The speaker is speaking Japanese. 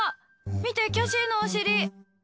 見て、キャシーのおしり。